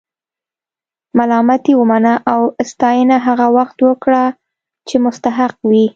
ملامتي ومنه او ستاینه هغه وخت ورکړه چې مستحق وي.